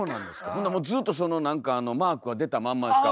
ほんならもうずっとマークは出たまんまですか？